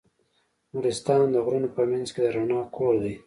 نورستان د غرونو په منځ کې د رڼا کور دی.